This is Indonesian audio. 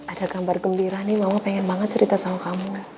ada gambar gembira nih mama pengen banget cerita sama kamu